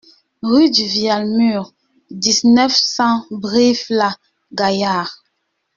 Rue du Vialmur, dix-neuf, cent Brive-la-Gaillarde